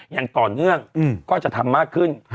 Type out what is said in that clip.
อย่างต่อเนื่องก็จะทำมากขึ้น